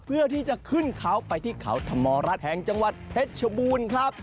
เพื่อที่จะขึ้นเขาไปที่เขาธรรมรัฐแห่งจังหวัดเพชรชบูรณ์ครับ